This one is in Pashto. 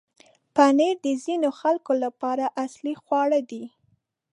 پنېر د ځینو خلکو لپاره اصلي خواړه دی.